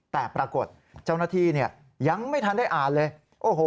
แต่ปรากฏเจ้าหน้าที่ยังไม่ทันได้อ่านเลย